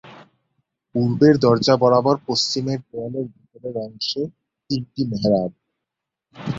পূর্বের দরজা বরাবর পশ্চিমের দেয়ালের ভেতরের অংশে তিনটি মেহরাব।